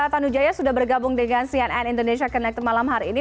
tanujaya sudah bergabung dengan cnn indonesia connected malam hari ini